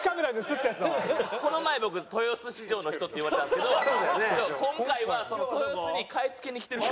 この前僕「豊洲市場の人」って言われたんですけど今回はその豊洲に買い付けに来てる人。